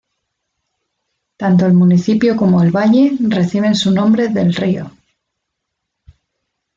Tanto el municipio como el valle reciben su nombre del río.